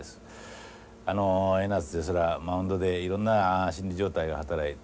あの江夏ですらマウンドでいろんな心理状態が働いて。